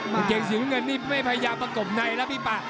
กางเกงสีน้ำเงินนี่ไม่พยายามประกบในแล้วพี่ปะ